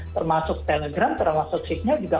termasuk telegram termasuk signal juga